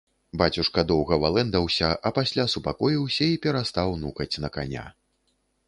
Бацюшка доўга валэндаўся, а пасля супакоіўся і перастаў нукаць на каня.